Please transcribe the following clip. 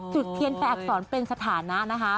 จุดเพียรติแอกศรเป็นสถานะ